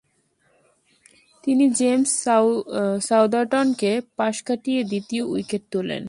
তিনি জেমস সাউদার্টনকে পাশ কাটিয়ে দ্বিতীয় উইকেট তুলেন।